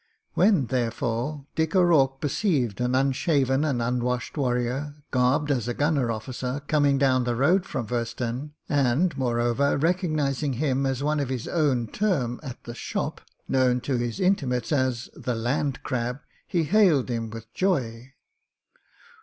When, therefore, Dick O'Rourke perceived an un shaven and tmwashed warrior, garbed as a gunner officer, coming down the road from Woesten, and, moreover, recognised him as one of his own term at the "Shop," known to his intimates as the Land Crab, he hailed him with joy.